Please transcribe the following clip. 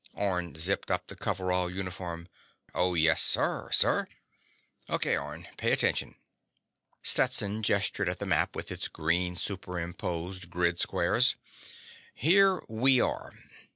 Orne zipped up the coverall uniform. "Oh, yes, sir ... sir." "O.K., Orne, pay attention." Stetson gestured at the map with its green superimposed grid squares. "Here we are.